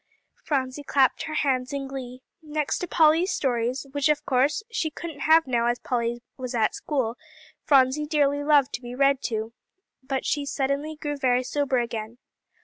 Phronsie clapped her hands in glee. Next to Polly's stories, which of course she couldn't have now as Polly was at school, Phronsie dearly loved to be read to. But she suddenly grew very sober again.